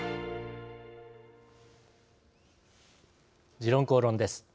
「時論公論」です。